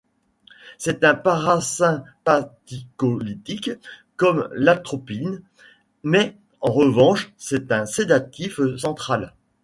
C'est un parasympathicolytique, comme l'atropine, mais en revanche c'est un sédatif central.